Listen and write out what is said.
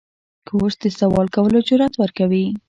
کورس د سوال کولو جرأت ورکوي.